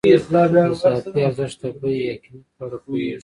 د اضافي ارزښت د بیې یا قیمت په اړه پوهېږو